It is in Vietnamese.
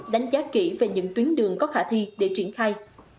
đánh giá kỹ về những tuyến đường có khả thi để triển khai